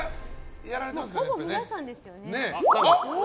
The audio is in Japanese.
ほぼ皆さんですよね。